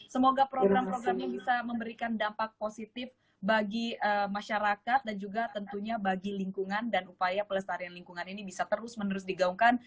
semoga program programnya bisa memberikan dampak positif bagi masyarakat dan juga tentunya bagi lingkungan dan upaya pelestarian lingkungan ini bisa terus menerus digaungkan